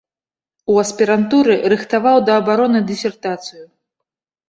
У аспірантуры рыхтаваў да абароны дысертацыю.